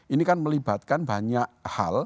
ini kan melibatkan banyak hal